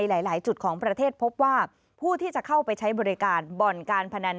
หลายจุดของประเทศพบว่าผู้ที่จะเข้าไปใช้บริการบ่อนการพนัน